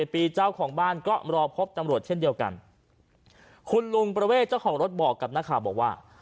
เจ้าของบ้านก็รอพบตำรวจเช่นเดียวกันคุณลุงประเวทเจ้าของรถบอกกับนักข่าวบอกว่า